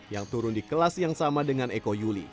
yang turun di kelas yang sama dengan eko yuli